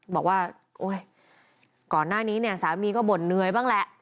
บอกว่าโอ๊ยก่อนหน้านี้เนี่ยสามีก็บ่นเหนื่อยบ้างแหละ